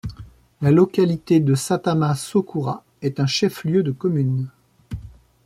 La localité de Satama-Sokoura est un chef-lieu de commune.